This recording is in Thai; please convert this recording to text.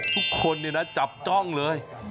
ทุกคนเนี่ยนะจับจ้องเลย